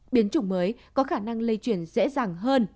biến chủng mới có khả năng lây chuyển dễ dàng hơn